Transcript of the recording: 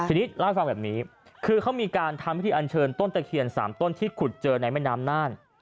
ทีนี้เล่าให้ฟังแบบนี้คือเขามีการทำพิธีอันเชิญต้นตะเคียน๓ต้นที่ขุดเจอในแม่น้ำน่าน